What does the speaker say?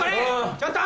ちょっと！